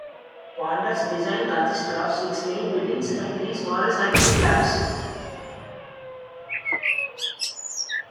Ponder's design consisted of six main buildings and three smaller scientific labs.